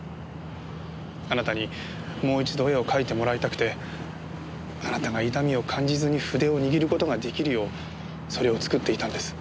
あなたにもう一度絵を描いてもらいたくてあなたが痛みを感じずに筆を握る事が出来るようそれを作っていたんです。